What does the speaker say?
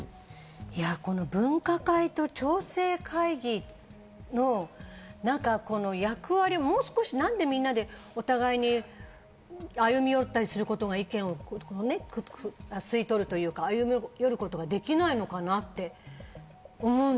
分科会と調整会議の役割をもう少し何でお互いに歩み寄ったりすることが、意見を吸い取るというか、できないのかなって。